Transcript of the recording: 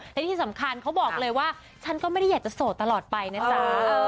และที่สำคัญเขาบอกเลยว่าฉันก็ไม่ได้อยากจะโสดตลอดไปนะจ๊ะ